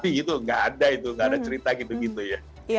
tidak ada itu tidak ada cerita gitu gitu ya